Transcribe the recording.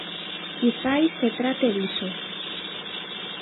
Quizais se trate diso.